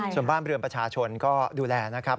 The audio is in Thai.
สมบันบริเวณประชาชนก็ดูแลนะครับ